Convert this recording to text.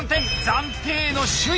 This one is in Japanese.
暫定の首位！